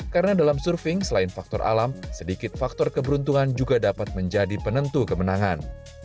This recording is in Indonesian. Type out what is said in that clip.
karena dalam surfing selain faktor alam sedikit faktor keberuntungan juga dapat menjadi penentu kemenangan